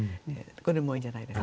これもいいんじゃないですか。